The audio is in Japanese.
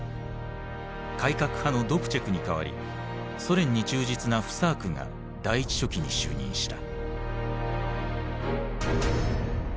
改革派のドプチェクに代わりソ連に忠実なフサークが第一書記に就任した。